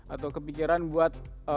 atau kepikiran buat